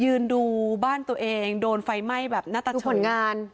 ยืนดูบ้านตัวเองโดนไฟไหม้แบบหน้าตาผลงาน